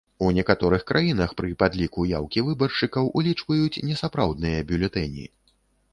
У некаторых краінах пры падліку яўкі выбаршчыкаў улічваюць несапраўдныя бюлетэні.